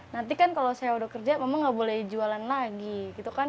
nanti kan kalau saya udah kerja memang nggak boleh jualan lagi gitu kan